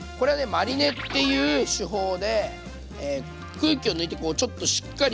マリネっていう手法で空気を抜いてちょっとしっかり